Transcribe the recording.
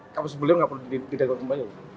kalau sebeliau tidak perlu didagang dagang